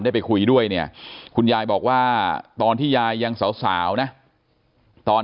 ไปคุยด้วยเนี่ยคุณยายบอกว่าตอนที่ยายยังสาวนะตอน